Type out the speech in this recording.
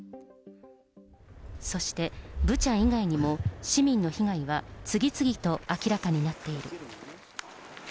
そしてブチャ以外にも、市民の被害は次々と明らかになっている。